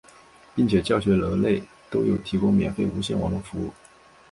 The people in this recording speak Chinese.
并且教学楼内都有提供免费无线网络服务。